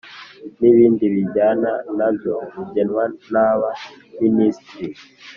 n ibindi bijyana na byo bugenwa naba minisitiri